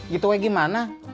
gitu weh gimana